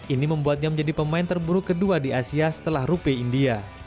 ini membuatnya menjadi pemain terburuk kedua di asia setelah rupiah india